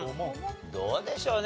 どうでしょうね？